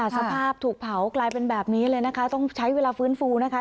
สภาพถูกเผากลายเป็นแบบนี้เลยนะคะต้องใช้เวลาฟื้นฟูนะคะ